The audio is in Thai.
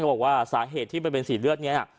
บอกว่าสาเหตุที่มันเป็นสีเลือดนี้